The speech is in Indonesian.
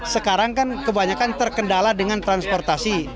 sekarang kan kebanyakan terkendala dengan transportasi